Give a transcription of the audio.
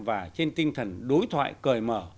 và trên tinh thần đối thoại cởi mở